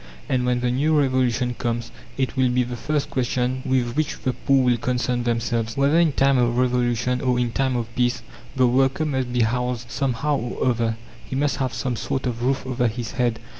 And when the New Revolution comes, it will be the first question with which the poor will concern themselves. Whether in time of revolution or in time of peace, the worker must be housed somehow or other; he must have some sort of roof over his head.